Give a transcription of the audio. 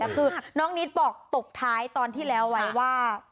คือน้องนิดบอกตกท้ายตอนที่แล้วไว้ว่า